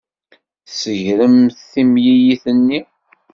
Tseggremt timlilit-nni.